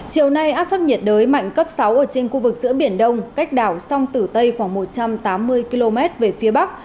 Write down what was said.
chiều nay áp thấp nhiệt đới mạnh cấp sáu ở trên khu vực giữa biển đông cách đảo sông tử tây khoảng một trăm tám mươi km về phía bắc